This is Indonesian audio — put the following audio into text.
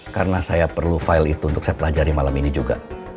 karena saya perlu file itu untuk saya pelajari malam ini juga